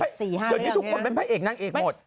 เดี๋ยวนี้ทุกคนเป็นพระเอกนางเอกหมด